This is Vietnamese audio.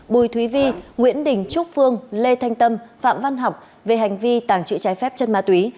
bùi thúy vi nguyễn đình trúc phương lê thanh tâm phạm văn học về hành vi tàng trữ trái phép chân ma túy